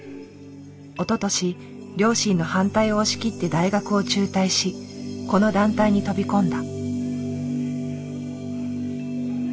おととし両親の反対を押し切って大学を中退しこの団体に飛び込んだ。